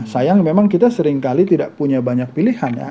sayang memang kita seringkali tidak punya banyak pilihan ya